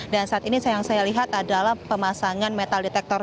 dan saat ini yang saya lihat adalah pemasangan metal detektor